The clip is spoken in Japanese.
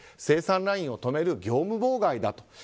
生産ラインを止める業務妨害だと。